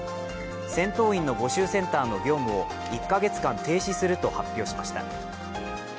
戦闘員の募集センターの業務を１か月間停止すると発表しました。